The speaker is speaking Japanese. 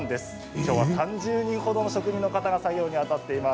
今日は３０人程の職人の方が作業にあたっています。